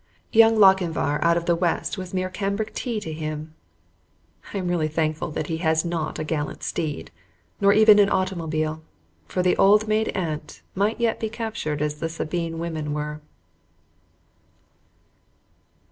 Young Lochinvar out of the west was mere cambric tea to him. I am really thankful that he has not a gallant steed, nor even an automobile, for the old maid aunt might yet be captured as the Sabine women were.